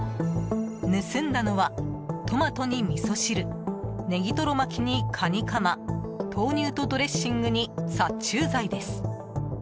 盗んだのは、トマトにみそ汁ネギトロ巻きにカニカマ豆乳とドレッシングに殺虫剤です。